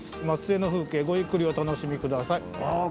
松江の風景、ごゆっくりお楽しみください。